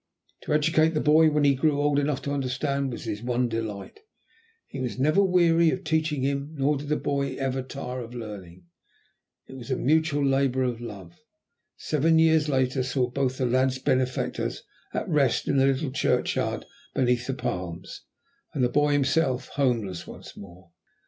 To educate the boy, when he grew old enough to understand, was his one delight. He was never weary of teaching him, nor did the boy ever tire of learning. It was a mutual labour of love. Seven years later saw both the lad's benefactors at rest in the little churchyard beneath the palms, and the boy himself homeless once more.